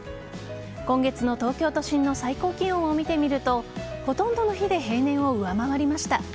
今月の東京都心の最高気温を見てみるとほとんどの日で平年を上回りました。